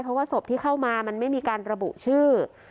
เพราะว่าศพที่เข้ามามันไม่มีการระบุชื่อ